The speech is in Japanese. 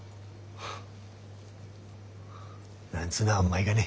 なんつうのは甘えがね。